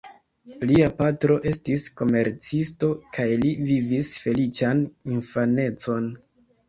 Lia patro estis komercisto kaj li vivis feliĉan infanecon.